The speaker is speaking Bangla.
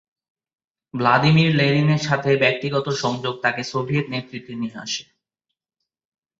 ভ্লাদিমির লেনিন এর সাথে ব্যক্তিগত সংযোগ তাকে সোভিয়েত নেতৃত্বে নিয়ে আসে।